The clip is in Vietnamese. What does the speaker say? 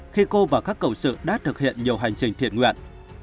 khi cô và các cầu sự đã thực hiện nhiều hành trình thiện nguyện